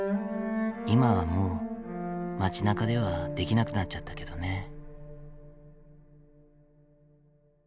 今はもう町なかではできなくなっちゃったけどね。